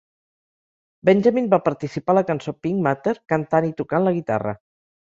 Benjamin va participar a la cançó "Pink Matter" cantant i tocant la guitarra.